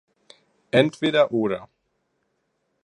Entweder oder!